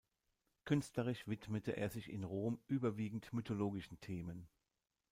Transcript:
Künstlerisch widmete er sich in Rom überwiegend mythologischen Themen.